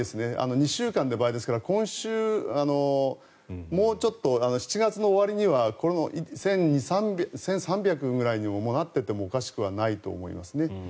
２週間で倍ですから今週、もうちょっと７月終わりには１３００ぐらいになっていてもおかしくはないと思います。